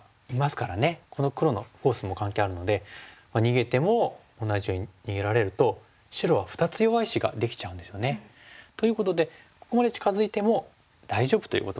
この黒のフォースも関係あるので逃げても同じように逃げられると白は２つ弱い石ができちゃうんですよね。ということでここまで近づいても大丈夫ということが分かります。